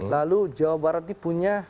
lalu jawa barat ini punya